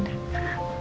terima kasih ya